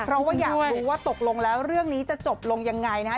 เพราะว่าอยากรู้ว่าตกลงแล้วเรื่องนี้จะจบลงยังไงนะฮะ